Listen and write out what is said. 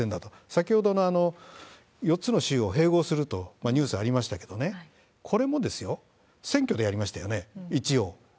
先ほどの４つの州を併合するとニュースがありましたけれどもね、これもですよ、選挙でやりましたよね、一応。